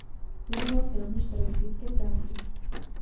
Věnoval se rovněž pedagogické práci.